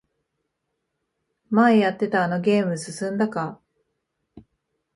前やってたあのゲーム進んだか？